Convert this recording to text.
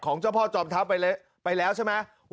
เจ้าพ่อจอมทัพไปแล้วใช่ไหม